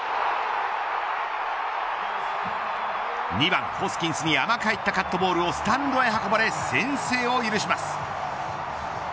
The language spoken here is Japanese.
２番ホスキンスに甘く入ったカットボールをスタンドへ運ばれ先制を許します。